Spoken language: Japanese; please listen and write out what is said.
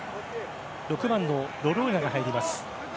６番のロローニャが入ります。